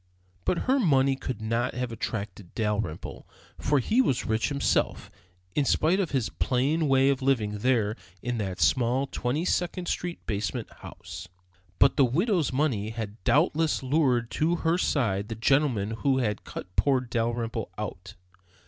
But then her money could not have attracted Dalrymple, for he was rich himself, in spite of his plain way of living there in that small Twenty second Street basement house. But the widow's money had doubtless lured to her side the gentleman who had cut poor Dalrymple out.